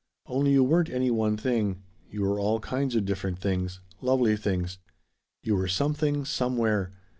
Only you weren't any one thing. You were all kinds of different things. Lovely things. You were Something Somewhere.